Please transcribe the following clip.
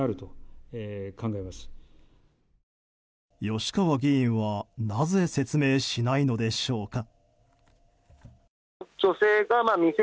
吉川議員はなぜ説明しないのでしょうか。